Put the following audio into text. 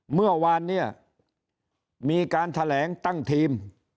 เมื่อวานเนี่ยมีการแถลงตั้งทีม